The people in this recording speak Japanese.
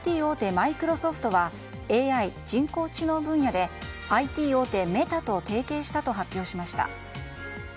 マイクロソフトはＡＩ・人工知能分野でＩＴ大手メタと提携したことを認めました。